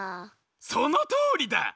そのとおりだ。